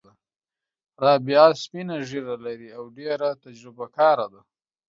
رابعه سپینه ږیره لري او ډېره تجربه کاره ده.